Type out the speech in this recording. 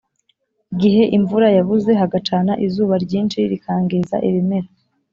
Igihe imvura yabuze hagacana izuba ryinshi rikangiza ibimera